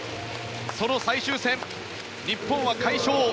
その最終戦、日本は快勝。